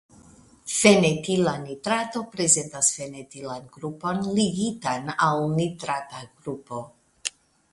Fenetila nitrato prezentas fenetilan grupon ligitan al nitrata grupo.